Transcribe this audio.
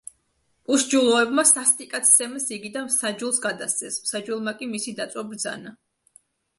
უსჯულოებმა სასტიკად სცემეს იგი და მსაჯულს გადასცეს, მსაჯულმა კი მისი დაწვა ბრძანა.